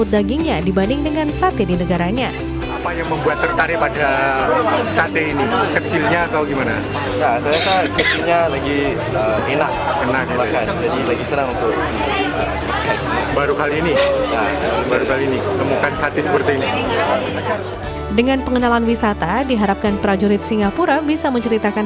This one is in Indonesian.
dengan pengenalan wisata diharapkan prajurit singapura bisa menceritakan